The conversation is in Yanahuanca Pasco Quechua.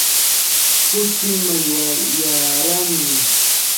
kuchii mallwallaraami.